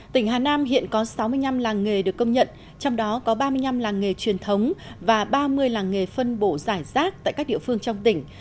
tỉnh hà nam hiện có sáu mươi năm làng nghề được công nhận trong đó có ba mươi năm làng nghề truyền thống và ba mươi làng nghề phân bổ giải rác tại các địa phương trong tỉnh